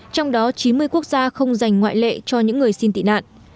trong đó chín mươi quốc gia không dành ngoại lệ cho những người xin tị nạn